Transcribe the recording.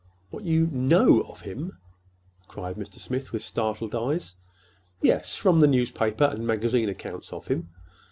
"What you—know of him!" cried Mr. Smith, with startled eyes. "Yes, from the newspaper and magazine accounts of him.